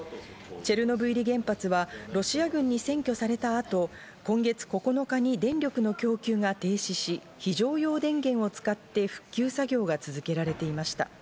チェルノブイリ原発はロシア軍に占拠された後、今月９日に電力の供給が停止し、非常用電源を使って復旧作業が続けられていました。